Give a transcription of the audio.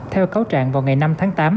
theo cáo trạng vào ngày năm tháng tám